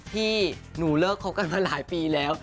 พี่หนูเลิกคบกันมาหลายปีแล้ว